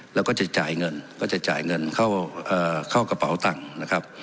แล้วก็จะจ่ายเงินก็จะจ่ายเงินเข้ากระเป๋าตังค์นะครับ